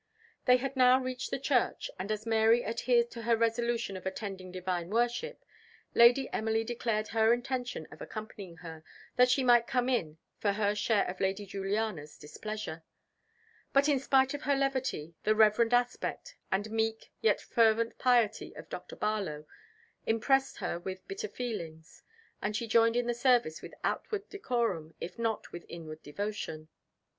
They had now reached the church, and as Mary adhered to her resolution of attending divine worship, Lady Emily declared her intention of accompanying her, that she might come in for her share of Lady Juliana's displeasure; but in spite of her levity, the reverend aspect, and meek, yet fervent piety of Dr. Barlow, impressed her with better feelings; and she joined in the service with outward decorum if not with inward devotion.